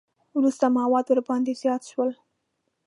وروسته مواد ورباندې زیات شول.